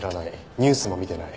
ニュースも見てない。